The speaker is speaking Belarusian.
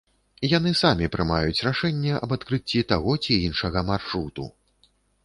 Яны самі прымаюць рашэнне аб адкрыцці таго ці іншага маршруту.